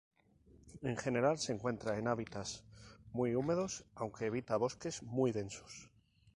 En general se encuentra en hábitats muy húmedos, aunque evita bosques muy densos.